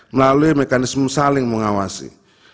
melalui mekanisme saling mengawasi